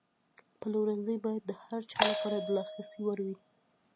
پلورنځی باید د هر چا لپاره د لاسرسي وړ وي.